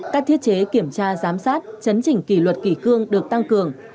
các thiết chế kiểm tra giám sát chấn chỉnh kỳ luật kỳ cương được tăng cường